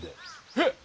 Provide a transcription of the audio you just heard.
えっ！